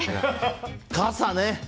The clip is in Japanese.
傘ね。